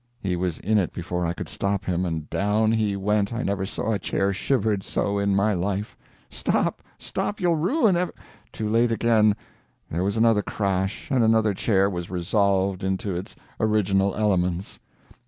He was in it before I could stop him and down he went I never saw a chair shivered so in my life. "Stop, stop, you'll ruin ev " Too late again. There was another crash, and another chair was resolved into its original elements.